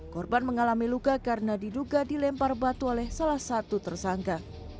korban mengalami luka karena diduga dilempar batu oleh salah satu tersangka